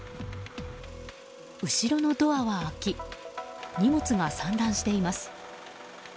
後ろのドアは開き荷物が散乱しています。